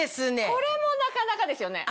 これもなかなかですよね。